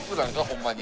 ホンマに。